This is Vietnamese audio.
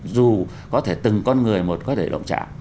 dù có thể từng con người một có thể đụng chạm